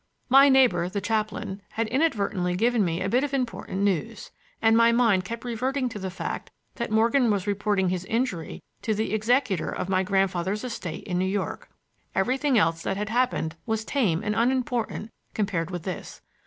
My neighbor, the chaplain, had inadvertently given me a bit of important news; and my mind kept reverting to the fact that Morgan was reporting his injury to the executor of my grandfather's estate in New York. Everything else that had happened was tame and unimportant compared with this.